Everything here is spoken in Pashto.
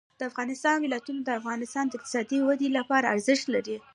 د افغانستان ولايتونه د افغانستان د اقتصادي ودې لپاره ارزښت لري.